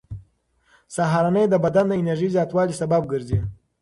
سهارنۍ د بدن د انرژۍ زیاتوالي سبب ګرځي.